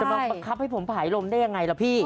บังคับให้ผมผ่ายลมได้ยังไงล่ะพี่